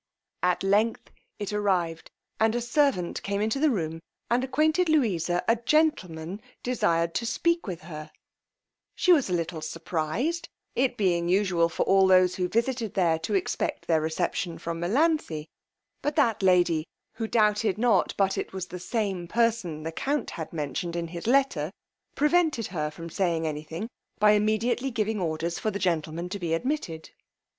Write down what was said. At length it arrived, and a servant came into the room and acquainted Louisa a gentleman desired to speak with her; she was a little surprized, it being usual for all those who visited there to expect their reception from Melanthe; but that lady, who doubted not but it was the same person the count had mentioned in his letter, prevented her from saying any thing, by immediately giving orders for the gentleman to be admitted.